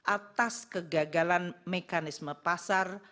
atas kegagalan mekanisme pasar